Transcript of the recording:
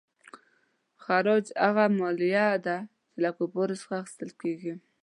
خراج هغه مالیه ده چې له کفارو څخه اخیستل کیږي.